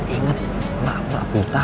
ingat mbak mbak buta